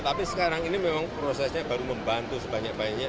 tapi sekarang ini memang prosesnya baru membantu sebanyak banyaknya